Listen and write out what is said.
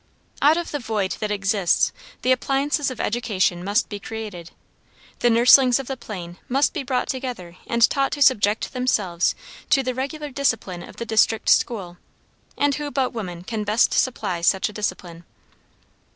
Out of the void that exists the appliances of education must be created; the nurslings of the plain must be brought together and taught to subject themselves to the regular discipline of the district school; and who but woman can best supply such a discipline!